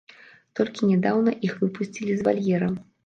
Толькі нядаўна іх выпусцілі з вальера.